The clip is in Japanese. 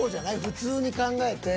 普通に考えて。